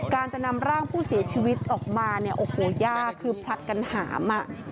การจะนำร่างผู้เสียชีวิตออกมาเนี่ยโอ้โหยากคือผลัดกันหาม